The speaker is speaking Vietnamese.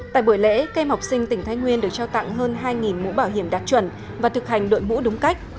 tại buổi lễ các em học sinh tỉnh thái nguyên được trao tặng hơn hai mũ bảo hiểm đạt chuẩn và thực hành đội mũ đúng cách